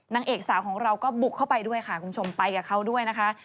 นางเอกสาวของเราก็บุกเข้าไปด้วยค่ะคุณผู้ชมไปกับเขาด้วยนะคะ